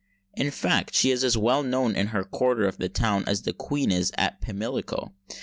In fact she is as well known in her quarter of the town as the Queen is at Pimlico.